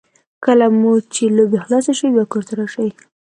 کله مو چې لوبې خلاصې شوې بیا کور ته راشئ.